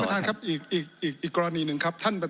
ประธานครับอีกกรณีหนึ่งครับ